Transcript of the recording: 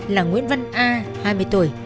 là nguyễn văn a hai mươi tuổi